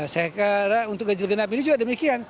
saya kira untuk ganjil genap ini juga demikian